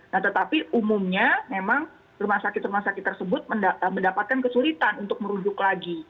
nah tetapi umumnya memang rumah sakit rumah sakit tersebut mendapatkan kesulitan untuk merujuk lagi